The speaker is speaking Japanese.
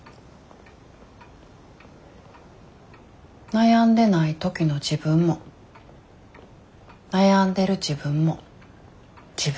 悩んでない時の自分も悩んでる自分も自分。